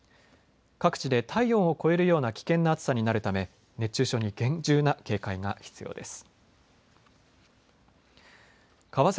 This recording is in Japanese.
各地で体温を超えるような危険な暑さになるため熱中症に厳重な警戒が必要です。